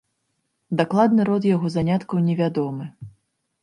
Дакладны род яго заняткаў невядомы.